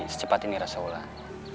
secepat ini rasa ulan